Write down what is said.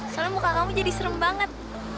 soalnya muka kamu jadi serem banget